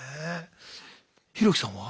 ヒロキさんは？